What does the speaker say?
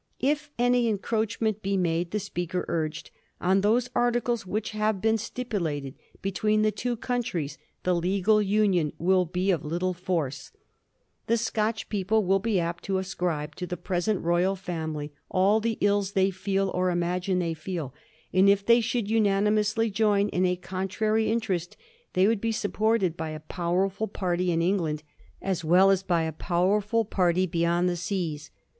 If any encroachment be made^ the speaker urged, on those articles which have been stipulated between the two countries, the legal union will be of little force; the Scotch people will be apt to ascribe to the present royal family all the ills they feel or imagine they feel; and if they should unanimously join in a contrary interest they would be supported by a powerful party in England as well as by a powerful party beyond the seas.